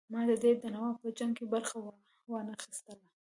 ما د دیر د نواب په جنګ کې برخه وانه خیستله.